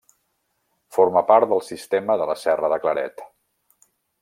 Forma part del sistema de la Serra de Claret.